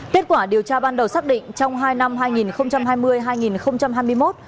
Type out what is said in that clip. kết quả điều tra ban đầu xác định trong hai năm hai nghìn hai mươi hai nghìn hai mươi một